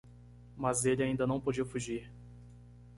Mas ele ainda não podia fugir.